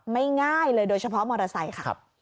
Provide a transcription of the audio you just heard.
ง่ายเลยโดยเฉพาะมอเตอร์ไซค์ค่ะ